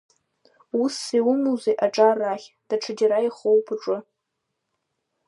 Усс иумоузеи аҿар рахь, даҽаџьара ихоуп уҿы.